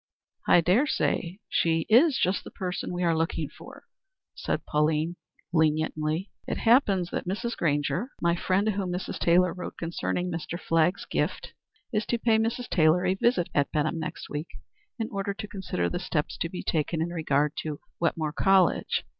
"I dare say she is just the person we are looking for," said Pauline, leniently. "It happens that Mrs. Grainger my friend to whom Mrs. Taylor wrote concerning Mr. Flagg's gift is to make Mrs. Taylor a visit at Benham next week, in order to consider the steps to be taken in regard to Wetmore College.